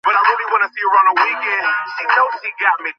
Darling, ধন্যবাদ।